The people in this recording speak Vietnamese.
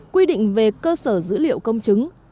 quy định về cơ sở dữ liệu công chứng